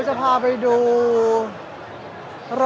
สวัสดีครับ